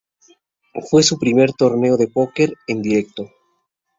Fue su primer torneo de póquer en directo.